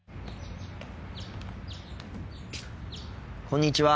こんにちは。